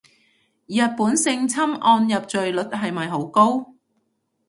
日本性侵案入罪率係咪好高